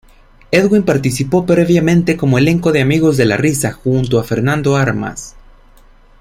Edwin participó previamente como elenco de "Amigos de la risa" junto a Fernando Armas.